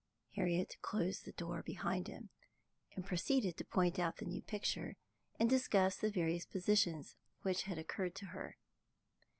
Harriet closed the door behind them, and proceeded to point out the new picture, and discuss the various positions which had occurred to her.